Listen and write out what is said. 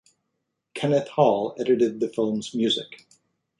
Kenneth Hall edited the film's music.